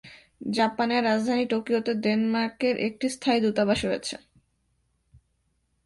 জাপানের রাজধানী টোকিওতে ডেনমার্কের একটি স্থায়ী দূতাবাস রয়েছে।